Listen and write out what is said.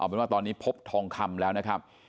เป็นว่าตอนนี้พบทองคำแล้วนะครับ